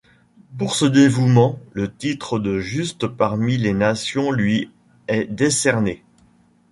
Pour ce dévouement, le titre de Juste parmi les nations lui est décerné.